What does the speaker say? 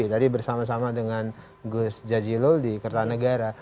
tadi bersama sama dengan gus jajilul di kertanegara